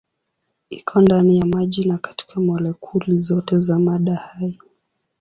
Iko ndani ya maji na katika molekuli zote za mada hai.